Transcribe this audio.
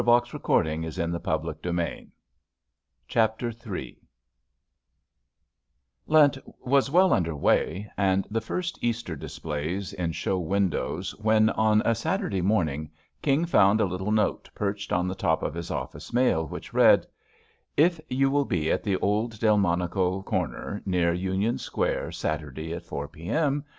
but this with a smile. JUST SWEETHEARTS Chapter III IENT was well under way and the first Easter displays in show windows ^ when on a Saturday morning, King found a little note perched on the top of his office mail, which read: "If you will be at the old Delmonico corner near Union Square Saturday at 4 P. M.